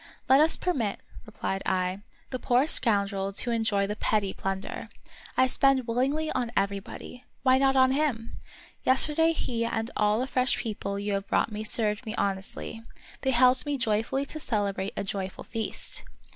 " Let us permit," replied I, " the poor scoundrel to enjoy the petty plunder. I spend willingly on everybody ; why not on him 1 Yesterday he and all the fresh people you have brought me served me honestly; they helped me joyfully to celebrate a joyful feast."